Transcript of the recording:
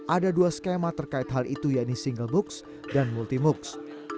ada dua skema terkait hal itu yaitu single books dan multi moocs